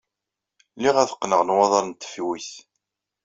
Lliɣ ad qqneɣ nwaḍer n tfuyt.